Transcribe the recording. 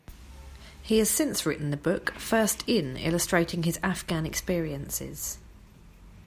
He has since written the book "First In", illustrating his Afghan experiences.